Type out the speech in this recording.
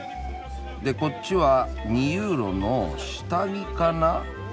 でこっちは２ユーロの下着かな？